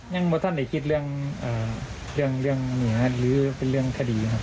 เมื่อท่านได้คิดเรื่องเหนือหรือเป็นเรื่องคดีครับ